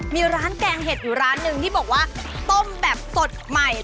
มีร้านแกงเห็ดอยู่ร้านหนึ่งที่บอกว่าต้มแบบสดใหม่